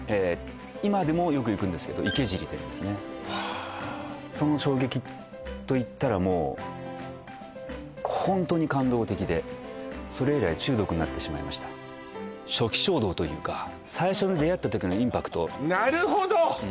今でもよく行くんですけど池尻店ですねはあその衝撃といったらもうホントに感動的でそれ以来中毒になってしまいました初期衝動というか最初に出会ったときのインパクトなるほど！